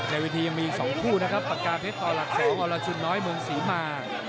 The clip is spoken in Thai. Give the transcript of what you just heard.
ในวิธียังมี๒คู่นะครับปากกาเพชรต่อหลัก๒อลาจุนน้อยเมืองศรีภาค